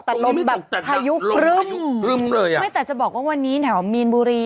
แต่ลมแบบพายุครึ่มรึ่มเลยอ่ะไม่แต่จะบอกว่าวันนี้แถวมีนบุรี